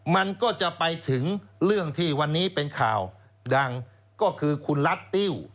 มันก็จะไปถึงเรื่องที่วันนี้เป็นข่าวดังก็คือคุณรัฐติ้ว